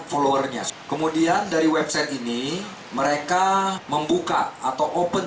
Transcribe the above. followernya kemudian dari website ini mereka membuka atau open